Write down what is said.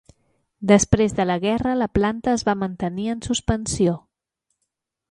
Després de la guerra, la planta es va mantenir en suspensió.